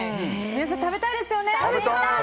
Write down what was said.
皆さん、食べたいですよね？